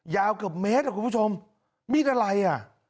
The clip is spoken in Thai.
ยาวเกือบเมตรอ่ะคุณผู้ชมมีดอะไรอ่ะ